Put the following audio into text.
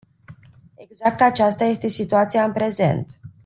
Exact aceasta este situația în prezent!